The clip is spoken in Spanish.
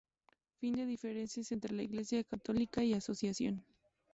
Fin de diferencias entre Iglesia Católica y Asociación